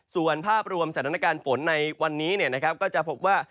ส่วนภาพรวมสถานการณ์ฝนในวันนี้เนี่ยนะครับก็จะพบว่า